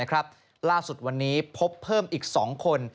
ล่าสุดวันนี้พบเพิ่มอีก๒คน